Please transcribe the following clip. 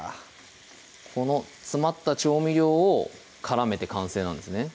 この詰まった調味料を絡めて完成なんですね